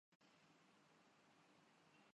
مٹی کے چولہے صحت